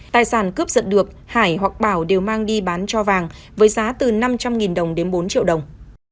tài sản cướp giật được hải hoặc bảo đều mang đi bán cho vàng với giá từ năm trăm linh đồng đến bốn triệu đồng